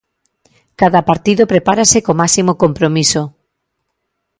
Cada partido prepárase co máximo compromiso.